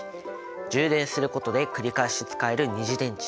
充電することで繰り返し使える二次電池。